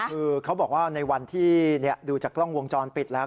คือเขาบอกว่าในวันที่ดูจากกล้องวงจรปิดแล้ว